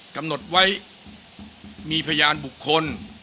กำหนดไว้มีพยานบุคคล